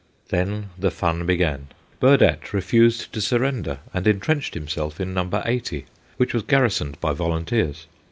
Then the fun began. Burdett refused to surrender, and entrenched himself in No. 80, which was garrisoned by volunteers.